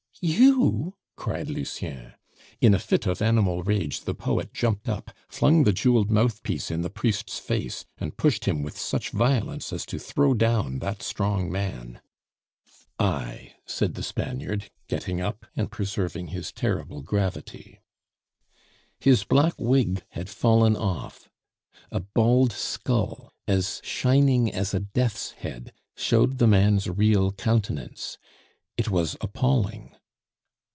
"You?" cried Lucien. In a fit of animal rage the poet jumped up, flung the jeweled mouthpiece in the priest's face, and pushed him with such violence as to throw down that strong man. "I," said the Spaniard, getting up and preserving his terrible gravity. His black wig had fallen off. A bald skull, as shining as a death's head, showed the man's real countenance. It was appalling.